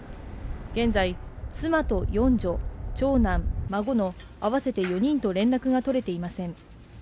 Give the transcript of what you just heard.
現在妻と四女長男孫の合わせて４人と連絡が取れていません